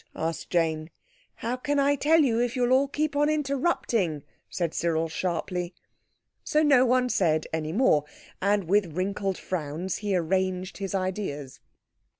_" asked Jane. "How can I tell you if you will all keep on interrupting?" said Cyril sharply. So no one said any more, and with wrinkled frowns he arranged his ideas.